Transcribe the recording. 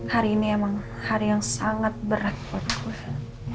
hari ini emang hari yang sangat berat buat gue